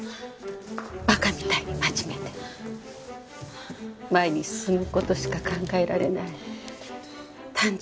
馬鹿みたいに真面目で前に進む事しか考えられない単純な子でした。